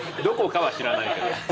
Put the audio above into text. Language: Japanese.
どこかは知らないけど。